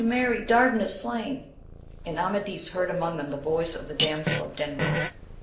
Mary, Dardan is slain !" and Amadis heard among them the voice of the damsel of Denmark.